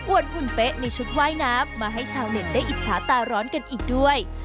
หุ่นเป๊ะในชุดว่ายน้ำมาให้ชาวเน็ตได้อิจฉาตาร้อนกันอีกด้วย